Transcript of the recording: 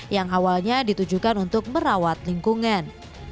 yang awalnya ditujukan untuk merawat lingkungan